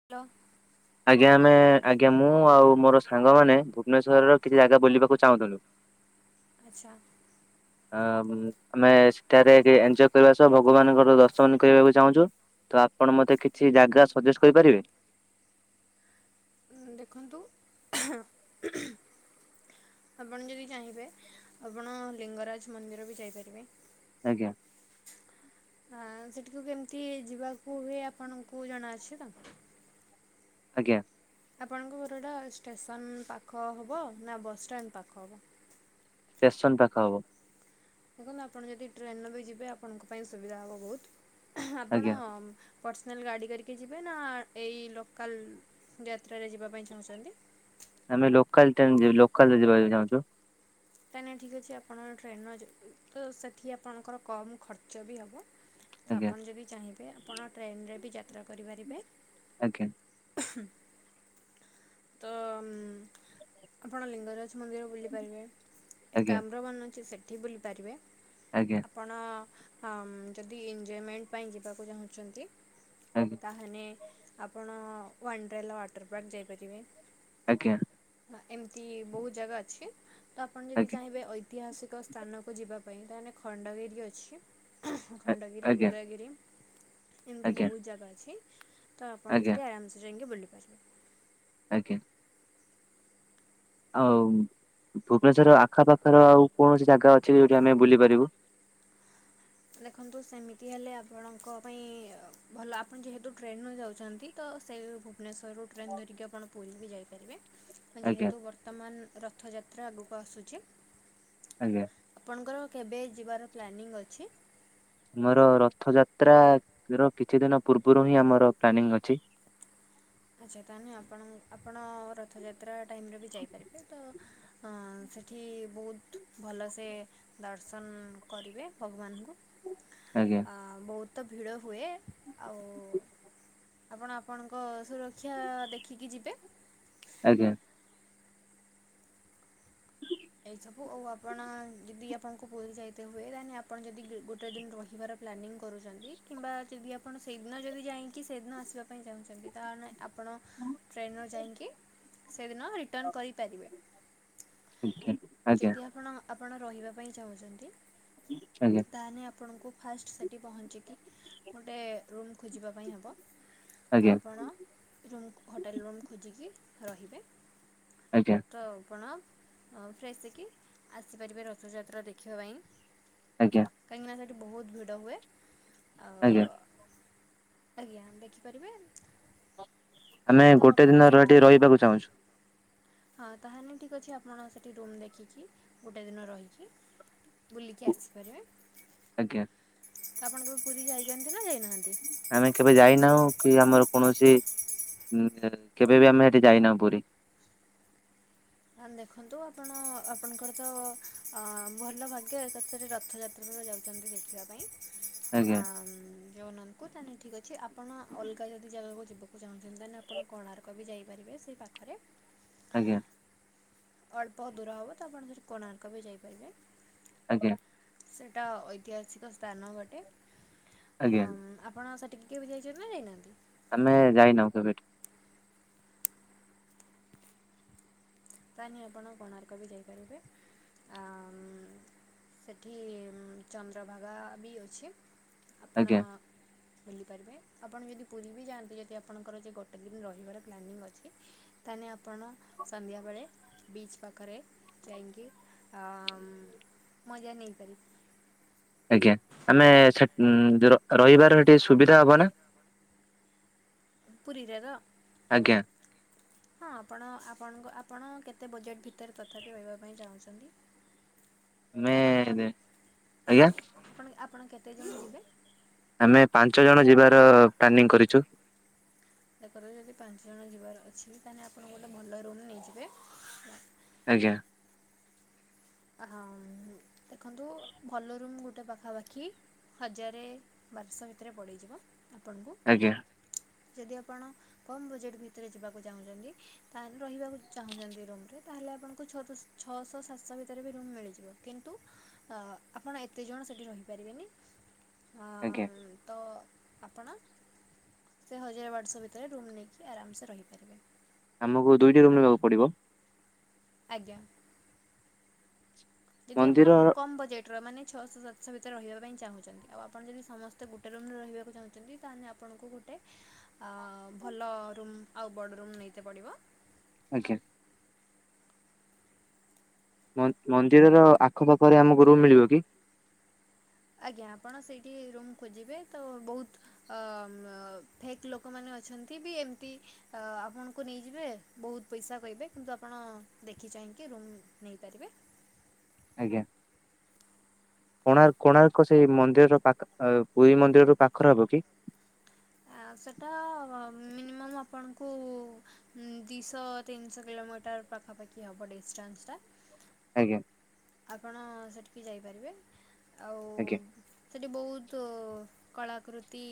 Hello. ଆଜ୍ଞା ଆମେ ଆଜ୍ଞା ମୁଁ ଆଉ ମୋର ସାଙ୍ଗମାନେ ଭୁବନେଶ୍ଵରର କିଛି ଜାଗା ବୁଲିବାକୁ ଚାହୁଁଥିଲୁ? ଆଚ୍ଛା। ହଁ ହୁଁ ଆମେ ସେଠାରେ ଟିକେ ଏଞୟ କରିବା ସହ ଭଗବାନଙ୍କର ଦର୍ଶନ କରିବାକୁ ଚାହୁଁଛୁ। ତ ଆପଣ ମୋତେ କିଛି ଜାଗା ସଜେଷେ କରିପାରିବେ? ଦେଖନ୍ତୁ। ହୁଁ ହୁଁ। ଆପଣ ଯଦି ଚାହିଁବେ ଆପଣ ଲିଙ୍ଗରାଜ ମନ୍ଦିର ବି ଯାଇପାରିବେ। ଆଜ୍ଞା। ହଁ ସେଠିକୁ କେମିତି ଯିବାକୁ ହୁଏ ଆପଣଙ୍କୁ ଜଣାଅଛି ତ? ଆଜ୍ଞା। ଆପଣ ଙ୍କୁ ଘରଟା ଷ୍ଟେସନ ପାଖ ହବ ନା ବସ୍ ଷ୍ଟାଣ୍ଡ ପାଖ ହବ? ଷ୍ଟେସନ ପାଖ ହବ। ଦେଖନ୍ତୁ ଆପଣ ଯଦି ଟ୍ରେନ୍ ବି ଯିବେ ଆପଣଙ୍କ ପାଇଁ ସୁବିଧା ହେବ ବହୁତୁ। ଆପଣ ଆଜ୍ଞା। ପର୍ସନାଲ୍ ଗାଡ଼ି କରିକି ଯିବେ ନା। ଏଇ ଲୋକାଲ ଯାତ୍ରାରେ ଯିବା ପାଇଁ ଚାହୁଁଛନ୍ତି? ଆମେ ଲୋକାଲ ଟ୍ରେନେ ଯିବୁ ଲୋକାଲ ରେ ଯିବାକୁ ଚାହୁଁଛୁ। ତା ନାଇଁ ଠିକ୍ ଅଛି ଆପଣଙ୍କ ଟ୍ରେନଯଉ। ତ ସେଠି ଆପଣଙ୍କର କମ୍ ଖର୍ଚ୍ଚ ବି ହବ। ତ ଆଜ୍ଞା ଆପଣ ଯଦି ଚାହିଁବେ ଆପଣ ଟ୍ରେନେରେ ବି ଯାତ୍ରା କରିପାରିବେ। ଆଜ୍ଞା। ତ ଅମ୍। ଆପଣ ଲିଙ୍ଗରାଜ ମନ୍ଦିର ବୁଲିପାରିବେ। ଏକ ଆଜ୍ଞା କାମ୍ର ମାନ ଅଛି ସେଠି ବୁଲିପାରିବେ। ଆଜ୍ଞା। ଆପଣ ଅମ୍ ଯଦି ଏଞଜୟମେଣ୍ଟ ପାଇଁ ଯିବାକୁ ଚାହୁଁଛନ୍ତି ଆଜ୍ଞା। ତାହେଲେ ଆପଣ ୱାଣ୍ଡ୍ରାଲ ୱାଟର ପାର୍କ ଯାଇପାରିବେ। ଆଜ୍ଞା। ନା ଏମିତି ବହୁତୁ ଜାଗା ଅଛି। ତ ଆପଣ ଯଦି ଆଜ୍ଞା ଚାହିଁବେ ଅୟୀ ଐତିହାସିକ ସ୍ଥାନକୁ ଯିବା ପାଇଁ ତାହେନେ ଖଣ୍ଡଗିରି ଅଛି। ଖଣ୍ଡଗିରି, ଆଜ୍ଞା ଉଦୟଗିରି। ଏମିତି ଆଜ୍ଞା ବହୁତୁ ଜାଗା ଅଛି। ତ ଆପଣ ଆଜ୍ଞା ସେଠି ଆରାମେସେ ଯାଇକି ବୁଲିପାରିବେ। ଆଜ୍ଞା। ଆଉ ଭୁବନେଶ୍ଵର ଆଖପାଖର ଆଉ କୌଣସି ଜାଗା ଅଛି ଯୋଉଠି ଆମେ ବୁଲିପାରିବୁ? ଦେଖନ୍ତୁ ସେମିତି ହେଲେ ଆପଣଙ୍କ ପାଇଁ ଭଲ ଆପଣ ଯେହେତୁ ଟ୍ରେନ ଯାଉଛନ୍ତି ତ ସେଇ ଭୁବନେଶ୍ୱରରୁ ଟ୍ରେନ୍ ଧରିକି ଆପଣ ପୁରୀ ବି ଯାଇପାରିବେ। ଆଜ୍ଞା ଯେହେତୁ ବର୍ତ୍ତମାନେ ରଥଯାତ୍ରା ଆଗକୁ ଆସୁଛି ଆଜ୍ଞା। ଆପଣଙ୍କର କେବେ ଯିବାର ପ୍ଲାନିଂ ଅଛି? ଆମର ରଥଯାତ୍ରା ର କିଛି ଦିନ ପୂର୍ବରୁ ହିଁ ଆମର ପ୍ଲାନିଂ ଅଛି। ଆଚ୍ଛା ତା ହେନେ ଆପଣ ଆପଣ ରଥଯାତ୍ରା ଟାଇମିରେ ବି ଯାଇପାରିବେ ତ ହ ସେଠି ବହୁତ ଭଲସେ ଦର୍ଶନ କରିବେ ଭଗବାନଙ୍କୁ। ଆଜ୍ଞା। ଆ ବହୁତ ଭିଡ଼ ହୁଏ ଆଉ ଆପଣ ଆପଣଙ୍କ ସୁରକ୍ଷା ଦେଖିକି ଯିବେ। ଆଜ୍ଞା। [unintelligible] ଏସବୁ ଆଉ ଆପଣ ଯଦି ଆପଣଙ୍କୁ ପୁରୀ ଯାଇତେ ହୁଏ ଦେହେଲେ ଆପଣ ଯଦି ଗୋଟେ ଦିନ ରହିବାର ପ୍ଲାନିଙ୍ଗି କରୁଚନ୍ତି, କିମ୍ବା ଯଦି ଆପଣ ସେଇଦିନ ଯଦି ଯାଇଙ୍କି ସେଦିନ ଆସିବା ପାଇଁ ଚାହୁଁଚନ୍ତି। ତାହେନେ ଆପଣ ଟ୍ରେନ୍ ରେ ଯାଇକି ସେଦିନ ରିଟର୍ଣ୍ଣ କରିପାରିବେ। ଆଜ୍ଞା। ଯଦି ଆପଣ ଆପଣ ରହିବା ପାଇଁ ଚାହୁଁଛନ୍ତି ଆଜ୍ଞା ତାହେଲେ ଆପଣଙ୍କୁ ଫାଷ୍ଟ ସେଠି ପହଞ୍ଚିକି ଗୋଟେ ରୁମ୍ ଖୋଜିବା ପାଇଁ ହେବ। ଆଜ୍ଞା ଆଜ୍ଞା ଆପଣ ରୁମ୍ ହୋଟେଲ ରୁମ୍ ଖୋଜିକି ରହିବେ। ଆଜ୍ଞା। ତ ଆପଣ ଅ ଫ୍ରେଶ ହେଇକି ଆସିପାରିବେ ରଥଯାତ୍ର ଦେଖିବା ପାଇଁ। ଆଜ୍ଞା। କାହିଁକିନା ସେଠି ବହୁତ ଭିଡ଼ ହୁଏ ଆ ଆଜ୍ଞା ଆଜ୍ଞା ଦେଖିପାରିବେ। ଆମେ ତ ଗୋଟେ ଆପଣ ଦିନର ସେଠୁ ଏଠି ରହିବାକୁ ଚାହୁଁଛୁ। ହଁ ତାହେଲେ ଠିକ ଅଛି ଆପଣ ସେଠ ଲ ରୁମ୍ ଦେଖିକି ଗୋଟେ ଦିନ ରହିକି ବୁଲିକି ଆସିପାରିବେ। ଆଜ୍ଞା। ତ ଆପଣଙ୍କ ପୁରୀ ଯାଇଛନ୍ତି ନା ଯାଇନାହାନ୍ତି। ଆମେ କେବେ ଯାଇନାହୁଁ କି ଆମର କୌଣସି ଉଁ କେବେ ବି ଆମେ ସେଠି ଯାଇନାହୁ ପୁରୀ। [unintelligible] ଦେଖନ୍ତୁ ଆପଣ ଆପଣଙ୍କର ତ ଭଲ ଭାଗ୍ୟ କେତେଟି ରଥଯାତ୍ରା ଯାଉଛନ୍ତି ଦେଖିବା ପାଇଁ। ଆ ଆଜ୍ଞା ଜଉନନଙ୍କୁ ତାେଲେ ଠିକ୍ ଅଛି ଆପଣ ଅଲଗା ଯଦି ଜାଗାକୁ ଯିବ ଚାହୁଁଛନ୍ତି ତାହେଲେ ଆପଣ କୋଣାର୍କ ବି ଯାଇପାରିବେ ସେହି ପାଖରେ ଆଜ୍ଞା। ଅଳ୍ପ ଦୂର ହେବ ତ ଆପଣ ସେଠି କୋଣାର୍କ ବି ଯାଇପାରିବେ। ଆଜ୍ଞା। ସେଇଟା ଐତିହାସିକ ସ୍ଥାନ ଗୋଟେ ଆଜ୍ଞା ଅ ଆପଣ ସେ ଟିକେ ବି ଯାଇଛନ୍ତି ନା ଯାଇନାହାନ୍ତି? ଆମେ ଯାଇନାହୁ ସେବେଠୁ ତାହିଁ ଆପଣ କୋଣାର୍କ ବି ଯାଇପାରିବେ। ଅ ସେଠି ଚନ୍ଦ୍ରଭାଗା ବି ଅଛି ଆପଣ ଆଜ୍ଞା ଭୁଲିପାରିବେ ଆପଣ ଯଦି ପୁରୀ ବି ଯାଆନ୍ତୁ ଯଦି ଆପଣଙ୍କର ଯେ ଗୋଟେ ଦିନ ରହିବାର ପ୍ଲାନିଂ ଅଛି। ତାେଲେ ଆପଣ ସନ୍ଧ୍ୟାବେଳେ ବିଚ୍ ପାଖରେ ଯାଇକି ଅ ମଜା ନେଇପାରି ଆଜ୍ଞା ଆମେ ସେ ର ରହିବାର ସେଠି ସୁବିଧା ହବ ନା? ପୁରୀ ରାର ଆଜ୍ଞା। [unintelligible] ହଁ ଆପଣ ଆପଣଙ୍କ ଆପଣ କେତେ ବଜେଟ୍ ଭିତରେ ତଥାପି ରହିବା ପାଇଁ ଚାହୁଁଛନ୍ତି? ଆମେ ଆପଣ ଆଜ୍ଞା ଆପଣ ଆପଣ କେତେ ଜଣ ଯିବେ? ଆମେ ପାଞ୍ଚ ଜଣ ଯିବାର ପ୍ଲାନିଂ କରିଛୁ। ତାପରେ ଯଦି ପାଞ୍ଚ ଜଣ ଯିବାର ଅଛି ତାହେଲେ ଆପଣ ଗୋଟେ ଭଲ ରୁମ୍ ନେଇଯିବେ। ଆଜ୍ଞା। ଦେଖନ୍ତୁ ଭଲ ରୁମ୍ ଗୋଟେ ପାଖାପାଖି। ହଜାରେ ବାରଶହ ଭିତରେ ପଡ଼ିଯିବ ଆପଣଙ୍କୁ। ଆଜ୍ଞା। ଯଦି ଆପଣ କମ୍ ବଜେଟ୍ ଭିତରେ ଯିବାକୁ ଚାହୁଁଛନ୍ତି। ହେଲେ ରହିବାକୁ ଚାହୁଁଛନ୍ତି ରୁମ ରେ ତାହେଲେ ଆପଣଙ୍କୁ ଛ ଛଅଶହ ସାତ ସ ଭିତରେ ବି ରୁମ୍ ମିଳିଯିବ କିନ୍ତୁ ଆପଣ ଏତେ ଜଣ ସେଠି ରହିପାରିବେନି ହ ଆଜ୍ଞା ତ ଆପଣ ସେ ହଜାର ବାରଶ ଭିତରେ ରୁମ୍ ନେଇକି ଆରାମସେ ରହିପାରିବେ। ଆମକୁ ଦୁଇଟି ରୁମ୍ ନେବାକୁ ପଡିବ। ଆଜ୍ଞା ଯଦି ଆପଣ ମନ୍ଦିର କମ ବଜେଟ ମାନେଛଅଶହ ସାତଶହ ଭିତରେ ରହିବା ପାଇଁ ଚାହୁଁଛନ୍ତି ଆଉ ଆପଣ ଯଦି ସମସ୍ତେ ଗୋଟେ ରୁ୍ରେ ରହିବାକୁ ଚାହୁଁଛନ୍ତି ତାହେଲେଣ। ଆପଣଙ୍କୁ ଗୋଟେ ଭଲ ରୁମ୍ ଆଉ ବଡ଼ ରୁମ୍ ନେଇତେ ପଡ଼ିବ। ଆଜ୍ଞା ମନ୍ଦିରର ଆଖପାଖରେ ଆମକୁ ରୁମ୍ ମିଳିବ କି? ଆଜ୍ଞା ଆପଣ ସେଇଠି ରୁମ୍ ଖୋଜିବେ ତ ବହୁତ। ଅ ଫେକ୍ ଲୋକମାନେ ଅଛନ୍ତି ବି ଏମିତି ଆପଣଙ୍କୁ ନେଇଯିବେ। ବହୁତ ପଇସା କହିବେ କିନ୍ତୁ ଆପଣ ଦେଖି ଚାହିଁକି ରୁମ୍ ନେଇପାରିବେ। ଆଜ୍ଞା। କୋଣାର୍ କୋଣାର୍କ ସେଇ ମନ୍ଦିରର ପାଖ ପୁରୀ ମନ୍ଦିରରୁ ପାଖର ହବ କି? ସେଇଟା ମିନିମମ୍ ଆପଣଙ୍କୁ। ଦିଶହ ତିନିଶହ କିଲୋମିଟର ପାଖାପାଖି ହବ ଡିଷ୍ଟାନ୍ସ ଟା। ଆଜ୍ଞା। ଆପଣ ସେଠିକି ଯାଇପାରିବେ ଆଉ। ଆଜ୍ଞା। ସେଠି ବହୁତ୍ କଳାକୃତି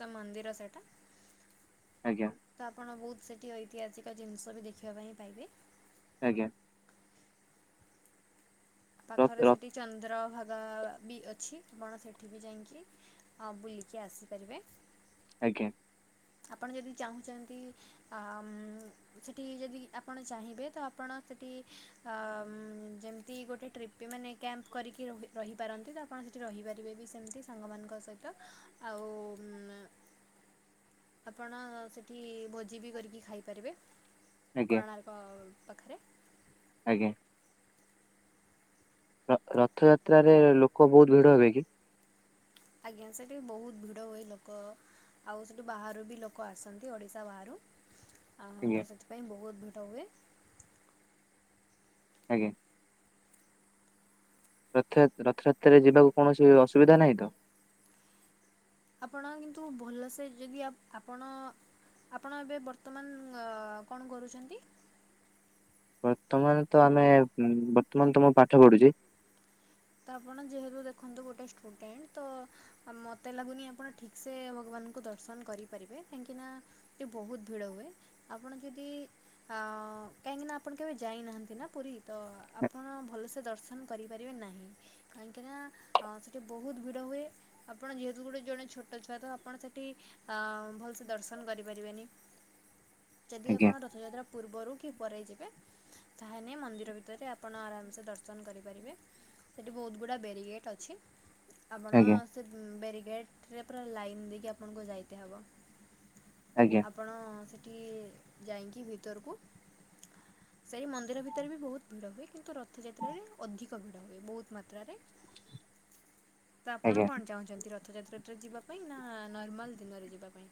ତ ମନ୍ଦିର ସେଇଟା। ଆଜ୍ଞା। ତ ଆପଣ ବହୁତ ସେଠି ଐତିହାସିକ ଜିନିଷ ବି ଦେଖିବା ପାଇଁ ପାଇବେ। ଆଜ୍ଞା। ର ପାଖରେ ର ସେଠି ଚନ୍ଦ୍ର ଭାଗ ବ ବି ଅଛି ଆପଣ ସେଠି ବି ଯାଇକି ବୁଲିକି ଆସିପାରିବେ। ଆଜ୍ଞା। ଆପଣ ଯଦି ଚାହୁଁଛନ୍ତି ଆ ସେଠି ଯଦି ଆପଣ ଚାହିଁବେ ତ ଆପଣ ସେଠି ଆ ଯେମିତି ଗୋଟେ ଟ୍ରିପ୍ ପି ମାନେ କ୍ୟାମ୍ପ କରିକି ରହି ରହିପାରନ୍ତି ତ ଆପଣ ସେଠି ରହିପାରିବେ ବି ସେମିତି ସାଙ୍ଗମାନଙ୍କ ସହିତ। ଆଉ ମ୍ ଆପଣ ସେଠି ଭୋଜି ବି କରିକି ଖାଇପାରିବେ ଆଜ୍ଞା କଣା ପ ପାଖରେ। ଆଜ୍ଞା। ର ରଥଯାତ୍ରାରେ ଲୋକ ବହୁତ ଭିଡ ହେବେ କି? ଆଜ୍ଞା ସେଠୀ ବହୁତ ଭିଡ ହୁଏ ଲୋକ। ଆଉ ସେଠୁ ବାହାରୁ ବି ଲୋକ ଆସନ୍ତି ଓଡ଼ିଶା ବାହାରୁ। ଆ ଆଜ୍ଞା ତ ସେଥିପାଇଁ ବହୁତ ଭିଡ ହୁଏ। ଆଜ୍ଞା। ରଥ ରଥଯାତ୍ରାରେ ଯିବାକୁ କୌଣସି ଅସୁବିଧା ନାହିଁ ତ? ଆପଣ କିନ୍ତୁ ଭଲସେ ଯଦି ଆପଣ ଆପଣ ଏବେ ବର୍ତ୍ତମାନ ଗ କଣ କରୁଛନ୍ତି? ବର୍ତ୍ତମାନ ତ ଆମେ ବର୍ତ୍ତମାନ ତ ମୁଁ ପାଠ ପଢୁଛି। ତ ଆପଣ ଯେହେତୁ ଦେଖନ୍ତୁ ଗୋଟେ ଷ୍ଟୁଡେଣ୍ଟ ତ ଆ ମତେ ଲାଗୁନି ଆପଣ ଠିକ୍ ସେ ଭଗବାନଙ୍କୁ ଦର୍ଶନ କରିପାରିବେ କାହିଁକି ନା ସେଠି ବହୁତ ଭିଡ ହୁଏ ଆପଣ ଯଦି ଅ କାହିଁକି ନା ଆପଣ କେବେ ଯାଇନାହାନ୍ତି ନା ପୁରୀ ତ ଆପଣ ଭଲସେ ଦର୍ଶନ କରିପାରିବେ ନାହିଁ। କାହିଁକିନା ସେଠି ବହୁତ ଭିଡ଼ ହୁଏ। ଆପଣ ଯେହେତୁ ଗୋଟେ ଜଣେ ଛୋଟ ଛୁଆ ତ ଆପଣ ସେଠି ଭଲସେ ଦର୍ଶନ କରିପାରିବେନି। ଯଦି ଆଜ୍ଞା ଆପଣ ରଥଯାତ୍ରା ପୂର୍ବରୁ କି ପରେ ଯିବେ ତାହାେଲେ ମନ୍ଦିର ଭିତରେ ଆପଣ ଆରାମସେ ଦର୍ଶନ କରିପାରିବେ। ସେଇଠି ବହୁତ ଗୁଡ଼ା ବେରିଗେଟ୍ ଅଛି ଆପଣ ଆଜ୍ଞା ସେ ବ୍ୟାରଗେଟେରେ ପୁରା ଲାଇନ୍ ଦେଇକି ଆପଣଙ୍କୁ ଯାଇତେ ହେବ। ଆଜ୍ଞା। ଆପଣ ସେଇଠି ଯାଇକି ଭିତରକୁ ସେଇ ମନ୍ଦିର ଭିତରେ ବି ବହୁତ ଭିଡ ହୁଏ କିନ୍ତୁ ରଥଯାତ୍ରାରେ ଅଧିକ ଭିଡ ହୁଏ ବହୁତ ମାତ୍ରାରେ ତ ଆପଣ ଆଜ୍ଞା କଣ ଚାହୁଁଛନ୍ତି? ର ରଥଯାତ୍ରାରେ ଯିବା ପାଇଁ ନା ନର୍ମାଲ ଦିନରେ ଯିବା ପାଇଁ?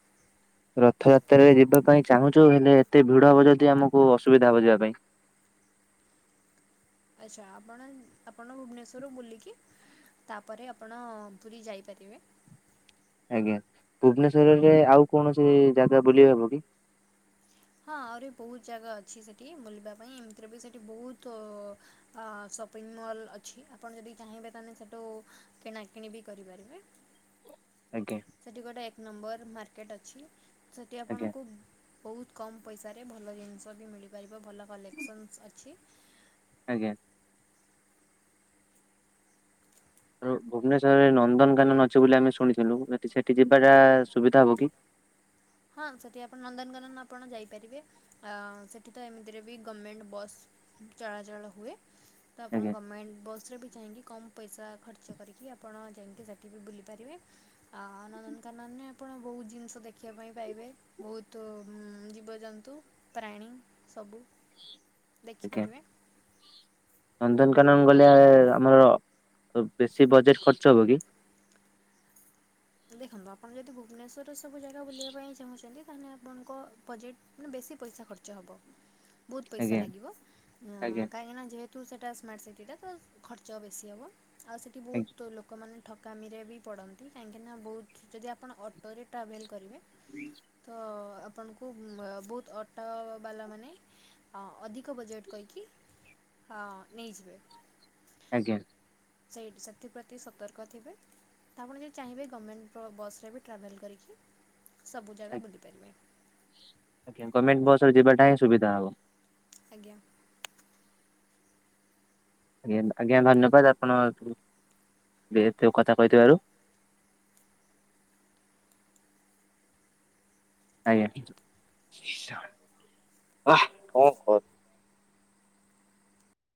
ରଥଯାତ୍ରାରେ ଯିବା ପାଇଁ ଚାହୁଁଛୁ ହେଲେ ଏତେ ଭିଡ ହବ ଯଦି ଆମକୁ ଅସୁବିଧା ହବ ଯିବା ପାଇଁ। ଆଚ୍ଛା ଆପଣ ଆପଣ ଭୁବନେଶ୍ୱର ରୁ ବୁଲିକି ତାପରେ ଆପଣ ପୁରୀ ଯାଇପାରିବେ। ଆଜ୍ଞା ଭୁବନେଶ୍ୱରରେ ଆଉ କୌଣସି ଜାଗା ବୁଲି ହବ କି? ହଁ ଆହୁରି ବହୁତ ଜାଗା ଅଛି ସେଠି ବୁଲିବା ପାଇଁ ଏମିତିରେ ବି ସେଠି ବହୁତୁ ସପିଂ ମଲ୍ ଅଛି ଆପଣ ଯଦି ଚାହିଁବେ ତାହେଲେ ସେଠୁ କିଣାକିଣି ବି କରିପାରିବେ। ଆଜ୍ଞା। ସେଠି ଗୋଟେ ଏକ ନମ୍ବର ମାର୍କେଟ୍ ଅଛି ସେଠି ଆଜ୍ଞା ଆପଣଙ୍କୁ ବହୁତ୍ କମ୍ ପଇସାରେ ଭଲ ଜିନିଷ ବି ମିଳିପାରିବ ଭଲ କଲେକ୍ସନ ଅଛି। ଆଜ୍ଞା। ଆ ଭୁବନେଶ୍ଵରରେ ନନ୍ଦନକାନନ ଅଛି ବୋଲି ଆମେ ଶୁଣିଥିଲୁ ସେଠି ଯିବାଟା ସୁବିଧା ହବ କି? ହଁ ସେଠି ଆପଣ ନନ୍ଦନକାନନ ଆପଣ ଯାଇପାରିବେ ସେଠି ତ ଏମିତିରେ ବି ଗମେଣ୍ଟ ବସ୍ ଚଳାଚଳ ହୁଏ ତ ଆପଣ ଆଜ୍ଞା ଗମେଣ୍ଟ ବସ ରେ ବି ଚାହିଁକି କମ୍ ପଇସା ଖର୍ଚ୍ଚ କରିକି ଆପଣ ଯାଇକି ସେଠି ବି ବୁଲିପାରିବେ। ଆ ନନ୍ଦନକାନନ ନେ ଆପଣ ବହୁତ ଜିନିଷ ଦେଖିବ ଦେଖିବା ପାଇଁ ପାଇବେ ବହୁତ ଜୀବଜନ୍ତୁ ପ୍ରାଣୀ ସବୁ ଆଜ୍ଞା। ଦେଖିପାରିବେ ନନ୍ଦନକାନନ ଗଲେ ଆମର ବେଶୀ ବଜେଟ ଖର୍ଚ୍ଚ ହବ କି? ଦେଖନ୍ତୁ ଆପଣ ଯଦି ଭୁବନେଶ୍ୱରରେ ସବୁ ଜାଗା ବୁଲିବା ପାଇଁ ଚାହୁଁଛନ୍ତି ତାହେଲେ ଆପଣଙ୍କ ବଜେଟ୍ ମାନେ ବେଶୀ ପଇସା ଖର୍ଚ୍ଚ ହେବ। ବହୁତ ପଇସା ଆଜ୍ଞା ଲାଗିବ ଆଜ୍ଞା କାହିଁକି ନା ଯେହେତ ତୁ ସେଇଟା ସ୍ମାର୍ଟ ସିଟିଟା ତ ଖର୍ଚ୍ଚ ବେଶୀ ହେବ ଆଉ ସେଇଠି ଆଜ୍ଞା ବହୁତ ଲୋକମାନେ ଠକାମିରେ ବି ପଡ଼ନ୍ତି କାହିଁକିନା ବହୁତ ଯଦି ଆପଣ ଅଟୋରେ ଟ୍ରାଭେଲ୍ କରିବେ। ତ ଆପଣଙ୍କୁ ମ୍ ବହୁତ ଅଟୋ ବାଲା ମାନେ ଆ ଅଧିକ ବଜେଟ୍ କହିକି ଆ ନେଇଯିବେ। ଆଜ୍ଞା। ସେଇଟି ସେଥିପ୍ରତି ସତର୍କ ଥିବେ ତ ଆପଣ ଯଦି ଚାହିଁବେ ଗର୍ମେଣ୍ଟ ବସ୍ ରେ ବି ଟ୍ରାଭେଲ୍ କରିକି ସବୁ ଜାଗା ବୁଲିପାରିବେ। ଆଜ୍ଞା ଗମେର୍ଣ୍ଟ ବସରେ ଯିବା ଟା ହିଁ ସୁବିଧା ହବ। ଆଜ୍ଞା। ଆଜ୍ଞା ଆଜ୍ଞା ଧନ୍ୟବାଦ ଆପଣ ଯେହେତୁ କଥା କହିଥିବାରୁ। ଆଜ୍ଞା।